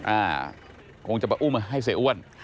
คงจะมาอุ้มให้เสียอ้วน